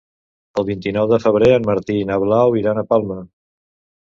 El vint-i-nou de febrer en Martí i na Blau iran a Palma.